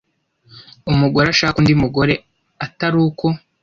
umugore ashake undi mugore ati ariko